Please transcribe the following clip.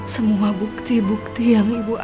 semua bukti bukti yang ibu ada itu